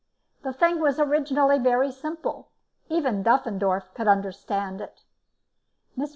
The thing was originally very simple, even Duffendorff could understand it. Mr.